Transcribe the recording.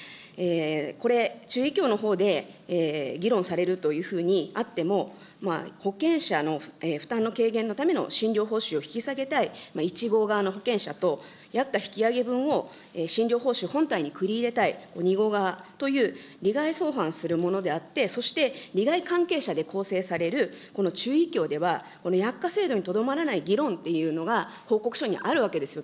これ、中医協のほうで議論されるというふうにあっても、保険者の負担の軽減のための診療報酬を引き下げたい、１号側の保険者と薬価引き上げ分を診療報酬本体に繰り入れたい２号側という、利害相反するものであって、そして利害関係者で構成されるこの中医協では、薬価制度にとどまらない議論っていうのが報告書にあるわけですよ、